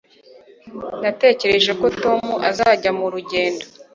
Natekereje ko Tom azajya murugendo